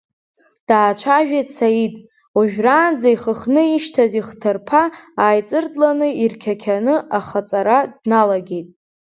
Даацәажәеит Саид, ожәраанӡа ихыхны ишьҭаз ихҭарԥа ааиҵыртланы, ирқьақьаны ахаҵара дналагеит.